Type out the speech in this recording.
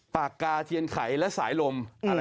ปากกาเทียนไขและสายลม